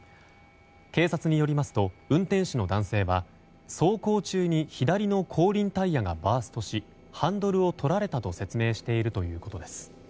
警察によりますと運転手の男性は走行中に左の後輪タイヤがバーストしハンドルを取られたと説明しているということです。